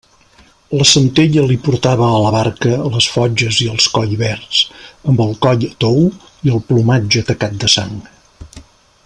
La Centella li portava a la barca les fotges i els collverds, amb el coll tou i el plomatge tacat de sang.